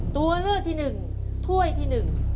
ตัวเลือกที่หนึ่งถ้วยที่๑